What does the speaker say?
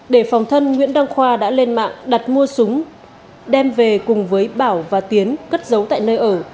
để phòng thân nguyễn đăng khoa đã lên mạng đặt mua súng đem về cùng với bảo và tiến cất giấu tại nơi ở